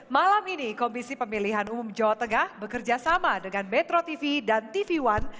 malam ini komisi pemilihan umum jawa tengah bekerja sama dengan metro tv dan tv one